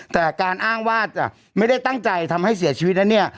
แต่การอ้างว่าจะไม่ได้ตั้งใจทำให้เสียชีวิตนั้นเนี่ย